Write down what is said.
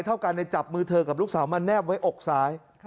เท่ากันในจับมือเธอกับลูกสาวมาแนบไว้อกซ้าย